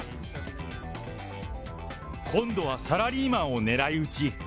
今度はサラリーマンを狙い撃ち。